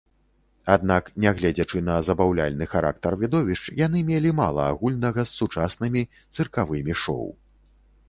Аднак, нягледзячы на забаўляльны характар відовішч, яны мелі мала агульнага з сучаснымі цыркавымі шоў.